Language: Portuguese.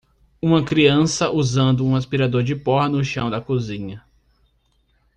Uma criança usando um aspirador de pó no chão da cozinha.